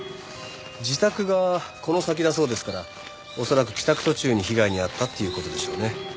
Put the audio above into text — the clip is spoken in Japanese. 自宅がこの先だそうですから恐らく帰宅途中に被害に遭ったっていう事でしょうね。